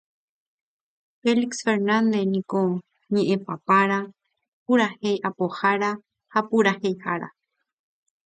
Félix Fernández niko ñe'ẽpapára, purahéi apohára ha puraheihára.